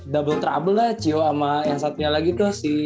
double trouble lah cio ama yang satunya lagi tuh